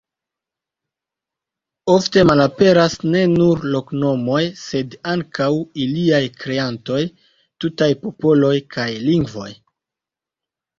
Ofte malaperas ne nur loknomoj, sed ankaŭ iliaj kreantoj, tutaj popoloj kaj lingvoj.